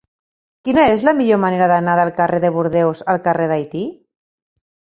Quina és la millor manera d'anar del carrer de Bordeus al carrer d'Haití?